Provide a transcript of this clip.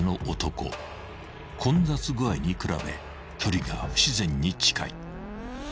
［混雑具合に比べ距離が不自然に近い］